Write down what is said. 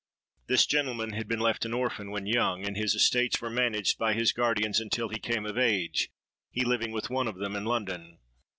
This gentleman had been left an orphan when young; and his estates were managed by his guardians, until he came of age, he living with one of them in London.